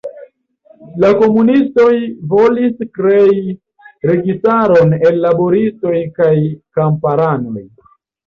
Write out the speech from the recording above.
La komunistoj volis krei registaron el laboristoj kaj kamparanoj.